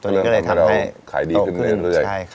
ตัวนี้ก็เลยทำให้โตขึ้นขายดีขึ้นเมืองเรื่อย